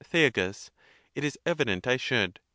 Thea. It is evident I should.